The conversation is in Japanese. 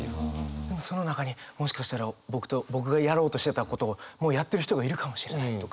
でもその中にもしかしたら僕がやろうとしてたことをもうやってる人がいるかもしれないとか。